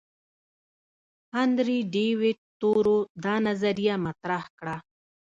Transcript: هنري ډیویډ تورو دا نظریه مطرح کړه.